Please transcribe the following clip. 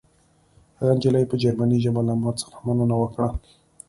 هغې نجلۍ په جرمني ژبه له ما څخه مننه وکړه